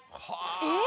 えっ？